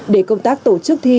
để công tác tổ chức thi